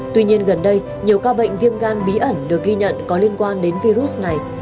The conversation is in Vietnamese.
tuy nhiên gần đây nhiều ca bệnh viêm gan bí ẩn được ghi nhận có liên quan đến virus này